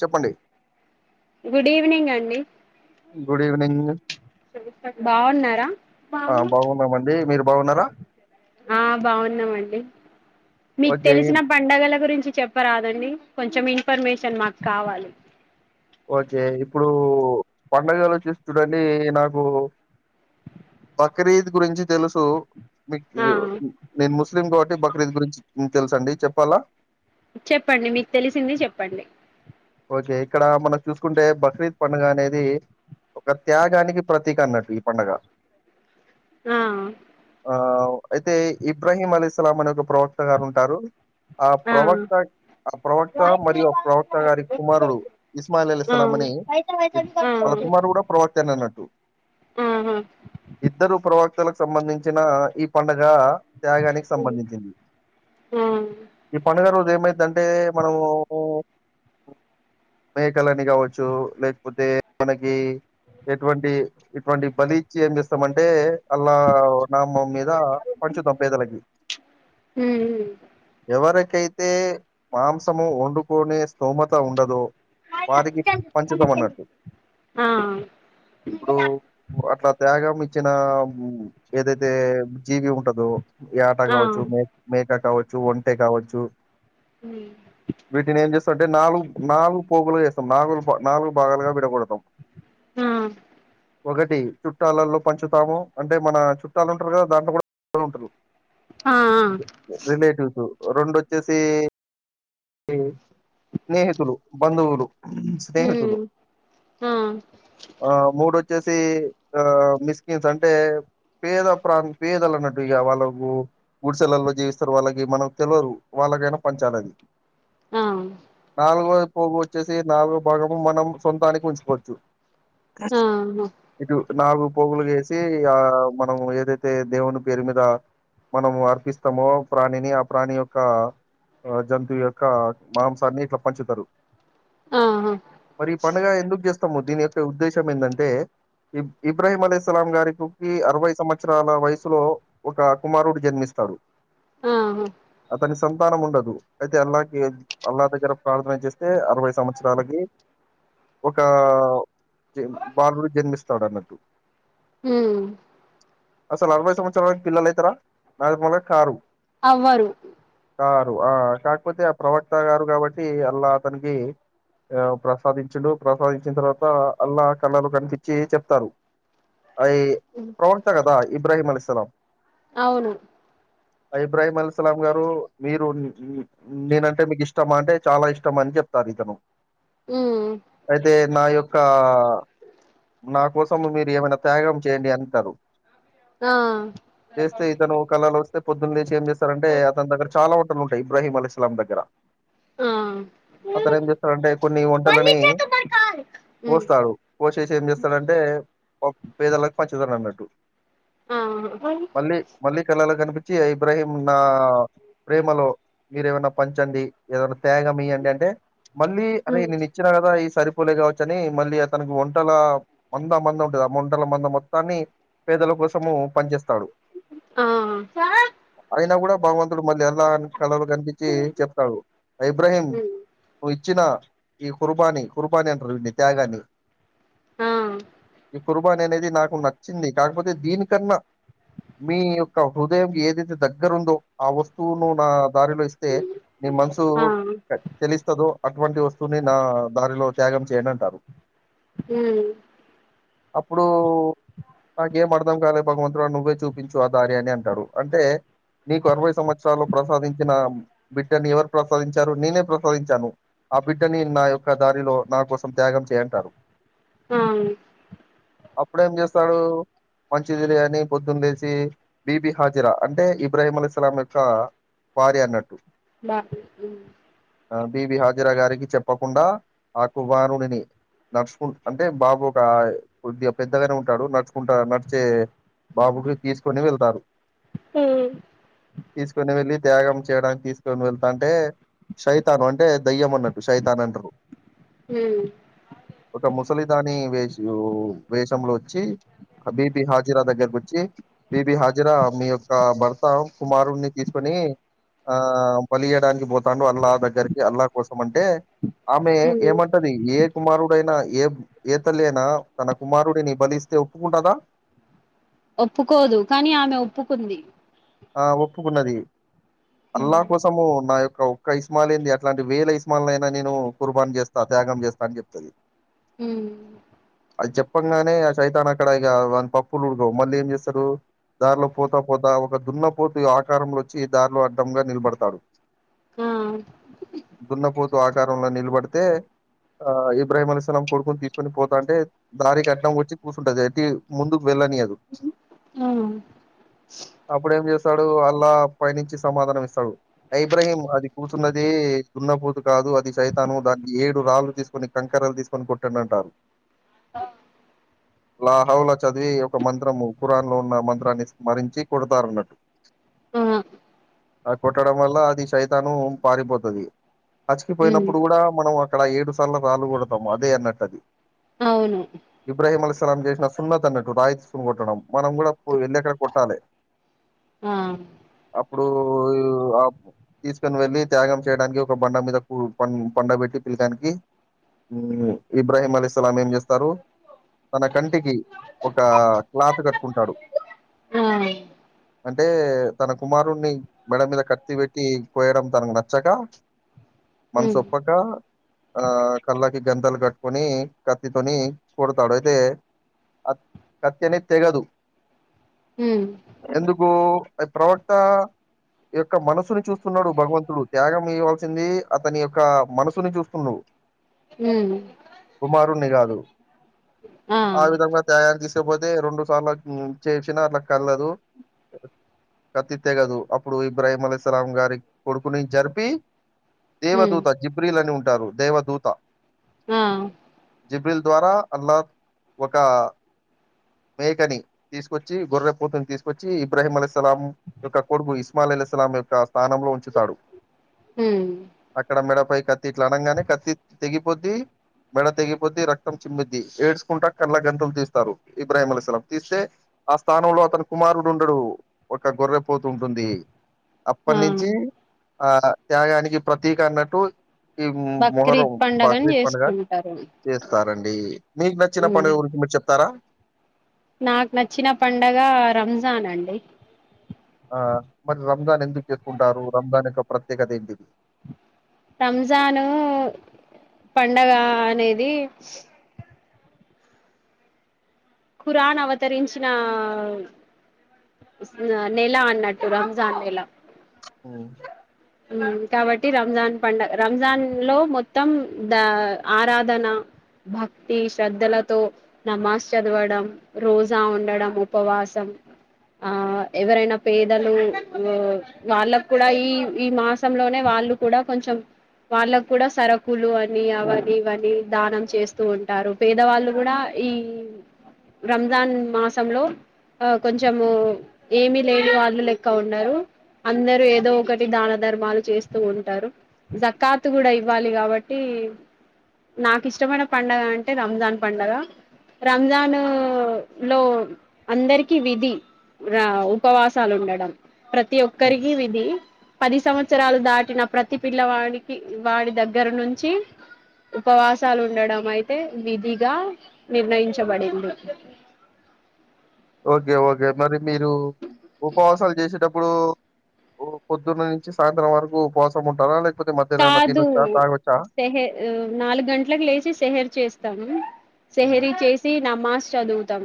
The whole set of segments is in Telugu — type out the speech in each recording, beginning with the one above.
చెప్పండి గుడ్ ఈవెనింగ్ అండి గుడ్ ఈవినింగ్ బాగున్నారా ఆ బాగున్నామండి మీరు బాగున్నారా ఆ బాగున్నామండి మీకు ఓకే తెలిసిన పండగల గురించి చెప్పరాదండి కొంచెం ఇ ఇన్ఫర్మేషన్ మాకు కావాలి ఓకే ఇప్పుడు పండగలచ్చేసి చూడండి నాకు బక్రీద్ గురించి తెలుసు మీకు ఆ నేను ముస్లిం కాబట్టి బక్రీద్ గురించి మ్ తెలుసండి చెప్పాలా చెప్పండి మీకు తెలిసింది చెప్పండి ఓకే ఇక్కడ మనం చూసుకుంటే బక్రీద్ పండుగ అనేది ఒక త్యాగానికి ప్రతీక అన్నట్టు ఈ పండుగ మ్మ్ ఆ అయితే ఇబ్రహీం అలీస్లాం అనే ఒక ప్రవక్త గారు ఉంటారు ఆ ప్రవక్త ఆ ప్రవక్త మరియు ఆ ప్రవక్త గారికి కుమారుడు ఇస్మాయిల్ ఆ అలిసలాం అని ఆ ఆహా వాళ్ళ కుమారుడు కూడా ప్రవక్తే అన్నట్టు ఆ ఇద్దరు ప్రవక్తల సంబంధించిన ఈ పండుగ త్యాగానికి సంబంధించింది ఉమ్ ఈ పండుగ రోజు ఏమైత ఏందంటే మనము మేకలని కావచ్చు లేకపోతే మనకి ఎటువంటి ఇటువంటి బలిచ్చి ఏం చేస్తామంటే అలా నామమ్ మీద పంచుతాం పేదలకి ఎవరై కైతే మాంసము వండుకననే స్తోమత్ ఉండదో వారికి పంచుతామన్నట్టు ఆ ఆ ఆ ఇప్పుడు అట్లా త్యాగం ఇచ్చిన మ్ ఏదైతే జీవి ఉంటదో ఏట ఆ కావచ్చు మె ఉమ్ మేక కావచ్చు ఒంటే కావచ్చు వీటినెమజెస్తాం అంటే నాలుగు పోగులు చేస్తాం నాగులు నాలుగు భాగాలుగా విడకొడతాం ఆ ఒకటి చుట్టాలలో పంచుతాము అంటే మన చుట్టాలు ఉంటారు కదా దాంట్లో కూడా ఉంటారు రెలెటివ్స్ రెండు వచ్చేసి స్నేహితులు బంధువులు స్నేహితులు ఆ ఆ మూడు వచ్చ వచ్చేసి ఆ మిస్కిన్స్ అంటే పేద ప్రాంత పేదలు అన్నట్టు ఇక వాళ్ళకు గుడి సెలల్లో జీవిస్తారు వాళ్ళకి మనకు తెలియరు వాళ్ళకైనా పంచాలది ఆ నాలుగో పోగు వచ్చేసి నాగ భాగము మనం సొంతానికి ఉంచుకోవచ్చు ఆహా ఏటు నాగు పోగులు వేసి ఆ మనం ఏదైతే దేవుని పేరు మీద మనము అర్పిస్తామో ప్రాణిని ఆ ప్రాణి యొక్క జంతువు యొ క మాంసాన్ని ఇట్లా పంచుతారు ఆహా మరి పండుగ ఎందుకు చేస్తు దీని యొక్క ఉద్దేశం ఏంటంటే ఇ ఇబ్రాహీం అలీ ఇస్లాం గారికికి అరవై సంవత్సరాల వయసులో ఒక కుమారుడు జన్మిస్తాడు ఆహ్ హా అ సంతాం ఉండదు అయితే అల్లాహ్ కి అల్లా దగ్గర ప్రార్థన చేస్తే అరవై సంవత్సరాలకి ఒక బాలుడు జన్మిస్తాడు అట హమ్ అసలు అరవై సంవత్సరాలరకు పిల్లలు అయితర నార్మల్ గా కారు అవ్వరు కారు ఆ కాకపోతే ప్రవక్త గారు కాబట్టి అల్లా అతనికి ఆ ప్రసాదించుడు ప్రసాదించిన తర్వాత అల్లా కళలు కనిపించి చెప్తారు ఆ ఇ ప్రవక్త కదా ఇబ్రహీం అలైసలాం అవును ఇబ్రాహీం అల్ సలాం గారు మీరు నేన అంటే మీకు ఇష్టం అంటే చాలా ఇష్టం అని చెప్తారు ఇతను హమ్ మా యొక్క నా కోసం మీరు ఏమైనా త్యాగం చేయండి అంటారు ఆ చేస్తే ఇతను కళలో వస్తే పొద్దున్న లేచి ఏం చేస్తారంటే అతని దగ్గర చాలా ఉంటు ంటా ఇబహిం ఎలైసలమ్మ దగ్గర ఆ అతను ఏం చేస్తాడంటే కొన్ని వంటలని ఉమ్ పోస్తాడు పోసేసి ఏం చేస్తాడంటే పేదళ్లకు పంచు తాడు అన్నట్టు ఆ ఉమ్ మళ్ళీ మళ్ళీ కళలో కనిపి ఇబ్రాహీం నా ప్రేమలో మీరేమైనా పంచండి ఏదోన్నా త్యాగం మళ్ళీ అరే నే ను ఇచ్చిన కదా ఈ సరిపోలే కావచ్చని మళ్ళీ అతనికి వంటల మంద మంద ఉంటుది ఆ వంటల మంద మొత్తాన్ని పేదల కోసము పనిచేస్త ఆహ్ అయినా కూడా భగవంతుడు మళ్ళీ ఎలా అ కలలో కనిపించి స్త ఇబ్రహీం ఉమ్ నువ్వు ఇచ్చిన ఈ కుర్బానీ కుర్బానీ అంటారు విీన్ని త్యాగాన్ని ఆ ఆ ఇప్పుడు అనేది నాకు నచ్చింది కాకపోతే దీనికన్నా మీ యొక్క హృదయం ఏదైతే దగ్గర ఉందో ఆ వస్తువును నా దానిలో ఇస్తే నీ మనసు చెలిస్తదో అటువంటి వస్తువుని నా ద అదిగో త్యాగం చేయండి అంటారు హ్మ్ అప్పుడు [unintelligible] అర్ధం కాలే భగవంతుడా నువ్వే చూపించు ఆ దారి అని అంటాడు అంటే నీకు అరవై సంవత్సరాల్లో ప్రసాదించిన బిడ్డని ఎవరు ప్రసాదించారు నేనే ప్రసాదించాను. ఆ బిడ్డని నా యొక్క దారిలో నా కోసం త్యాగం చేయంటారు. ఆ అప్పుడేం చేస్తాడు మంచిదిలే అని పొద్దున లేసి బీబి హాజరా అంటే ఇబ్రాహీం అలైహిస్సలాం యొక్క వారి అన్నట్టు బ బిబి హాజరా గారికి చెప్పకుండా ఆ కుమారుడిని నడుచుకు అంటే బాబు ఒక కొద్దిగా పెద్దగానే ఉంటాడు నడుచుకుంటా నడిచే బాబుకి తీసుకొని వెళ్తారు తీసుకోని వెళ్ళి త్యాగం చేయడానికి తీసు కొని వెళ్తా అంటే సైతాను అంటే దయ్యం అన్నట్టు శైతాన్ అంటరు ఉమ్ ఒక ముసలిదాని వేష్ వేషంలో వచ్చి బీబీ హాజరా దగ్గరకు వచ్చి బీబి హాజీరా మీ యొక్క భర్త కుమారుడిని తీసుకొని ఆ బలి చేయడానికి పోతాండు అ అల్లా దగ్గరికి అల్లాహ కోసం అంటే ఆమె ఉమ్ ఏమంటది ఏ కుమారుడైనా ఏ ఏ తల్లి అయినా తన కుమారుడిని బలిస్తే ఒప్పుకుంటదా ఒప్పుకోదు కానీ ఆమె ఒప్పుకుంది ఆ ఒప్పుకున్నది ఉమ్ అల్లా కోసము నా యొక్ ఒక్క ఇస్మాయిల్ ఏంది అట్లాంటి వేల ఇస్మాయిల్ అయినా నేను కుర్బాన్ చేస్తా త్యాగం చేస్తా అని చెప్తది హ్మ్ అది చెప్పంగానే ఆ షైతాన్ని అక్కడ ఇక దాని పప్పులు ఉడకవు మళ్ళీ ఏం చేస్తరు దారిలోకి పోతా పోతా ఒక దున్నపోతు ఆకారంలో వచ్చి ఈ దారిలో అడ్డంగా నిలబడతాడు హ్మ్ దున్నపోతు ఆకారంలో నిలబడితే ఆ ఇబ్రాహీం అలైహిస్సాలాం కొడుకుని తీసుకొని పోతాంటే దారికి అడ్డం వచ్చి కూర్చంటది అటి ముందుకు వెళ్ళనీయదు ఆ అప్పుడేం చేస్తాడు అల్లా పైనుంచి సమాధానం ఇస్తాడు. ఐ ఇబ్రహీం అది కూర్చున్నది దున్నపోతు కాదు అది సైతాను దాన్ని ఏడు రాళ్ళు తీసుకొని కంకరలు తీసుకొని కొట్టండి అంటారు ఆ లాహౌలా చదివి ఒక మంత్రము ఖురాన్ లో ఉన్న మంత్రాన్ని స్మరించి కొడతారన్నట్టు హ్మ్ ఆ కొట్టడం వల్ల అది సైతాను పారిపోతది హజ్ ఉమ్ కిపోయినప్పుడు కూడా మనం అక్కడ ఏడు సార్లు రాలు కొడతాము అదే అన్నట్టు అది అవును ఈసారి ఆమె చేసిన ఫుల్ అతన్నట్టు రాయి తీసుకొని కొట్టడం మనం కూడా పో ఏంది ఎక్కడ కొట్టాలి ఆ ఇప్పుడు ఆ తీసుకని వెళ్ళి త్యాగం చేయడానికి ఒక బండ మీద కూ బండ పెట్టి పిలకానికి ఇబ్రాహీం అలిస్లాం ఏం చేస్తారు తన కంటికి ఒక క్లాత్ కట్టుకుంటాడు ఉ అంటే తన కుమారుణ్ణి మెడ మీద కత్తి పెట్టి కోయడం తనకు నచ్చగా మన్స్ ఉమ్ ఒప్పక ఆ కల్ళక్ కి గంధలు కట్టుకొని కత్తితోని కూడతాడు అయితే అ కత్తి అనేది తెగదు ఉమ్ ఎందుకూ ప్రవక్త యొక్క మనసుని చూస్తున్నాడు భగవంతుడు త్యాగం ఇవ్ల్సింది అతని యొక్క మనసుని చూస్తుండు ఉమ్ కుమారు్ణి గాదు ఆ విధంగా తయారు దీస్ ఇగ పోతే రెండు సార్లు చేసిన అట్ల కల్లదు కత్తి తెగదు అప్పుడు ఇబ్రాహీం అలీ సలాం గారి కొడుకుని జరిపి ఉమ్ దేవధూత జిబ్రీలని ఉం టరు దేవదూత ఆ జిబ్రిల్ ద్వారా అలా ఒక మేకని తీసుకొచ్చి గొర్రె పోతుని తీసుకొచ్చి ఇబ్రాహీం అల్స్లాం యొక్క కొడుగు ఇస్మాల్ అలీసలాం యొక్క స్థానంలో ఉంచుతాడు ఉమ్ అక్కడ మెడపై కత్తి ఇట్లా అనగానే కత్తి తెగిపోద్ది మెడ తెగిపోద్ది రక్తం చిమ్మిద్ది ఏడ్చుకుంటా కళ్ళ గంతులు తీస్తారు ఇబ్రాహీం అలలం తీస్తే ఆ స్థానంలో అతన కుమారుడు ఉండడు ఒక గొర్రెపోతు ఉంటుంది అప్పడు ఆ నుంచి ఆ త్యాగానికి ప్రతీక అన్నట్టు ఈ మొహరం బక్రీద్ పండగని బక్రీద్ పండగ చేసుకుంటారు చేస్తారు రండి మీకు నచ్చిన ఉమ్ పండుగ గురించి మీరు చెప్తారా నాకు నచ్చిన పండగ రంజాన్ అండి ఆ మరి రంజాన్ ఎందుకు చేసుకుంటారు రంజాన్ యొక్క ప్రత్యేకత ఏంటిది రంజాను పండగ అనేది ఖురాన్ అవతరించిన నెల అన్నట్టు రంజాన్ నెల ఓ ఊ కాబట్టి రంజాన్ పండగ రంజాన్ లో మొత్తం ద ఆరాధన భక్తి శ్రద్ధలతో నమాజ్ చదవడం రోజా ఉండడం ఉపవాసం ఆ ఎవరైనా పేదలు వాళ్ళకు కూడా ఈ ఈ మాసంలోనే వాళ్ళు కూడా కొంచెం వాళ్ళకు కూడా సరుకులు అని అవని ఇవని దానం చేస్తూ ఉంటారు పేదవాళ్ళు కూడా ఈ రంజాన్ మాసంలో ఆ కొంచెము ఏమి లేని వాళ్ళు లెక్క ఉన్నారురు అందర ఏదో ఒకటి దాన ధర్మాలు చేస్తూ ఉంటారు జక్కాత్ కూడా ఇవ్వాలి కాబట్టి నాకు ఇష్టమైన పండగ అంటే రంజాన్ పండగ రంజాన్ లో లో అందరిక విధి ఉపవాసాలు ఉండడం ప్రతి ఒక్కరికి విది పది సంవత్ త్సరాలు దాటిన ప్రతి పిల్లవాడికి వాడి దగ్గర నుంచి ఉపవాసాలు ఉండడం అయితే విధిగా నిర్ణయించబడింది ఓకే ఓకే మరి మీరు ఉపవాసాలు చేసేటప్పుడు పొద్దున్న నుంచి సాయంత్రం వరకు ఉపవాసం ఉంటారా లేక్ కాదు సెహే నాలుగు గంటలకు లేచి సెహరి చేస్తాను హ్మ్. సెహరి చేసి నా మాస్ చదువుతాం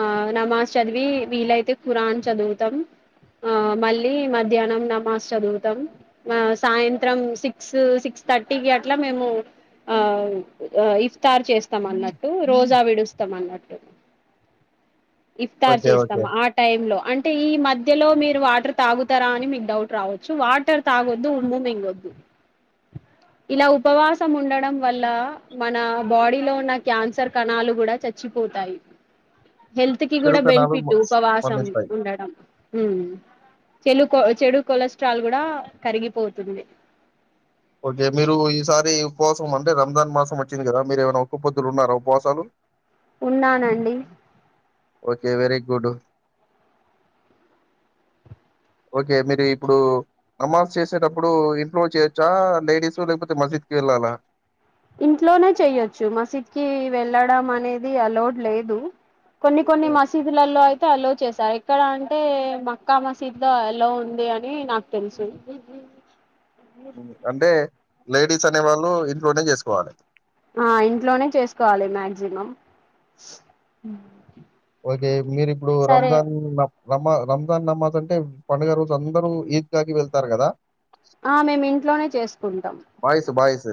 ఆ నమాజ్ చదివి వీలైతే ఖురాన్ చదువుతాం ఆ మళ్ళీ మధ్యాహ్నం నమాజ్ చదువుతాం ఆ సాయంత్రం త్రం సిక్స్ సిక్స్ థర్టీ కట్లా మేము ఆ ఆ ఇస్ స్తారు చేస్తాం అన్నట్టు రోజా విడుస్తాం అన్నట్టు ఇఫ్తార్ ఓకే. ఓకే. చేస్తాము ఆ టైమ్ లో అంటే ఈ మధ్యలో మీరు వాటర్ తాగుతారా అని మీకు డౌట్ రావచ్చు వాటర్ తాగొద్దు ఉమ్ము మింగొద్దు ఇలా ఉపవాసం ఉండడం వల్ల మన బాడీ లో ఉన్న క్యాన్సర్ కణాలు కూడా చచ్చిపోతాయి హెల్త్ కి చెడు కూడా కణాలు మ బెనిఫిట్ ఉపవాసం మరణిస్తాయి. ఉండడం ఉమ్ చెడు కొ చెడు కొలెస్ట్రాల్ కూడా కరిగిపోతుంది ఓకే మీరు ఈసారి ఉపవాసం అంటే రంజాన్ మాసం వచ్చింది కదా మీరు ఏమైనా ఓక్క పొద్దులు ఉన్నారా ఉపవాసాలు ఉన్నానండి ఓకే వెరీ గుడ్ ఓకే మీరు ఇప్పుడు నమాజ్ చేసేటప్పుడు ఇంట్లో చేయొచ్చా లేడీస్ లేకపోతే మజిద్కి వెళ్ళాలా ఇంట్లోనే చెయ్యొచ్చు మసీద్కి వెళ్ళడం అనేది అలోడ్ లేదు కొన్ని కొన్ని హ్మ్. మసీదులలో అయి లో అలో చేసారు ఎక్కడ అంటే మక్కా మసీదు అలో ఉంది అని నాకు తెలుసు అంటే లేడీస్ స్ అనే వాళ్ళు ఇంట్లోనే చేసుకోవాలి ఆ ఇంట్లోనే చేసుకోవాలి మ్యాక్సిమం ఓకే మీరి ఇప్పుడు రంజాన్ రమా రంజాన్ నమాజ్ అంటే పండుగ రోజు అందరూ ఈద్ గాకి వెళ్తారు కదా ఆ మేము ఇంట్లోనే చేసుకుంటాం బాయ్స్. బాయ్స్.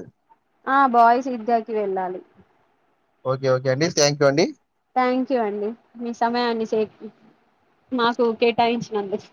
ఆ బాయ్స్ ఈద్గాకీ వెళ్లాలి ఓకే ఓకే అండి థ్యాంక్ యూ అండి థ్యాంక్ యూ అండి మీ సమయాన్ని సేక్ మాకు కేటాయించినందుకు